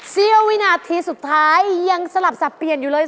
เสี้ยววินาทีสุดท้ายยังสลับสับเปลี่ยนอยู่เลย